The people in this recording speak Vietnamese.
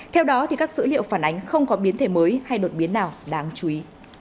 theo đó các dữ liệu phản ánh không có biến thể mới hay đột biến nào đáng chú ý